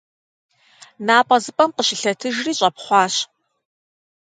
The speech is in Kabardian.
НапӀэзыпӀэм къыщылъэтыжри, щӀэпхъуащ.